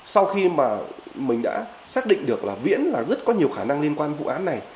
sau khi mà mình đã xác định được là viễn là rất có nhiều khả năng liên quan vụ án này